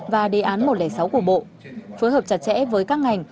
và đề án một trăm linh sáu của bộ phối hợp chặt chẽ với các ngành